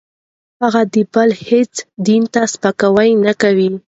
هغه بل هېڅ دین ته سپکاوی نه کوي.